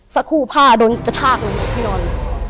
สักครู่ผ้าโดนกระชากลงหมดที่นอน